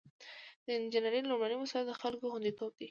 د انجینر لومړی مسؤلیت د خلکو خوندیتوب دی.